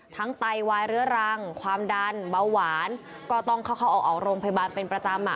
ไตวายเรื้อรังความดันเบาหวานก็ต้องเข้าออกโรงพยาบาลเป็นประจำอ่ะ